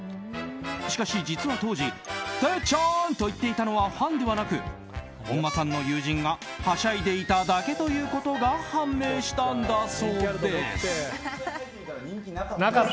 しかし、実は当時てっちゃーんと言っていたのはファンではなく本間さんの友人がはしゃいでいただけということが判明したんだそうです。